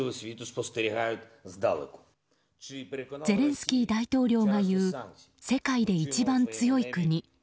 ゼレンスキー大統領が言う世界で一番強い国。